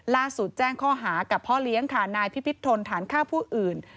แจ้งข้อหากับพ่อเลี้ยงค่ะนายพิพิธนฐานฆ่าผู้อื่น